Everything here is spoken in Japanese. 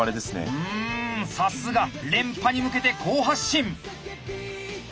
うんさすが連覇に向けて好発進。